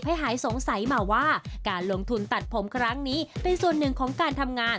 หายสงสัยมาว่าการลงทุนตัดผมครั้งนี้เป็นส่วนหนึ่งของการทำงาน